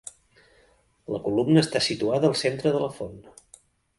La columna està situada al centre de la font.